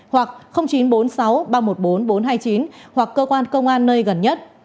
hoặc chín trăm bốn mươi sáu ba trăm một mươi bốn bốn trăm hai mươi chín hoặc cơ quan công an nơi gần nhất